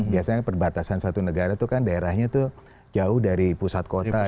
biasanya perbatasan satu negara itu kan daerahnya tuh jauh dari pusat kota